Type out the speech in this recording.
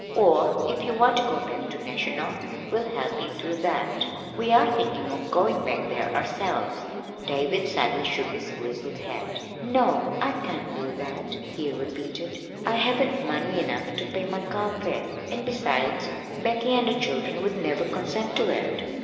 "Or if you want to go back to Neshonoc, we'll help you do that. We are thinking of going back there ourselves." David sadly shook his grizzled head. "No, I can't do that," he repeated. "I haven't money enough to pay my carfare, and besides, Becky and the children would never consent to it."